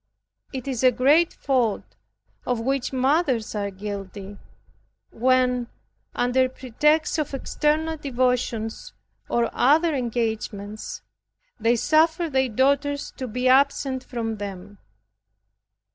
It is a great fault, of which mothers are guilty, when under pretext of external devotions, or other engagements, they suffer their daughters to be absent from them.